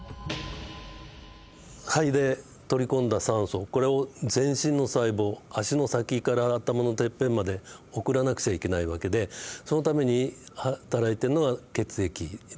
肺で取り込んだ酸素これを全身の細胞足の先から頭のてっぺんまで送らなくちゃいけない訳でそのために働いているのが血液です。